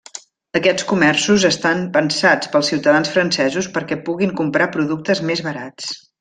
Aquests comerços estan pensats pels ciutadans francesos perquè puguin comprar productes més barats.